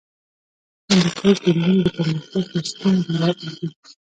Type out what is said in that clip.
هندوکش د نجونو د پرمختګ فرصتونه دي.